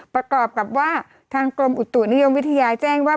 ประกอบกับว่าทางกรมอุตุนิยมวิทยาแจ้งว่า